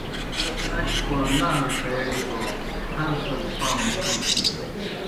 اشپوڑ نال ݜئیگہ تو خر سگہ پاں مُڇھوڑ تِھینوْ